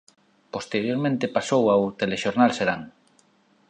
Posteriormente pasou ao "Telexornal Serán".